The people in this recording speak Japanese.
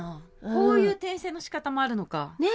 こういう転生のしかたもあるのか。ね！